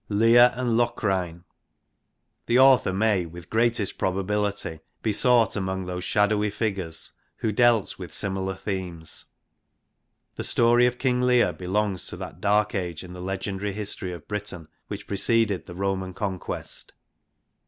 Leir and Locrine. The author may with greatest probability be sought among those shadowy figures who dealt with similar themes. The story of JCmg Leir belongs to that dark age in the legendary history of Britain which pre ceded the Roman conquest.